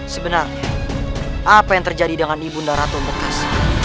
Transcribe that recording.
sebenarnya apa yang terjadi dengan ibu naraton bekas